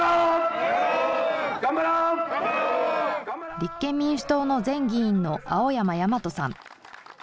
立憲民主党の前議員の青山大人さん。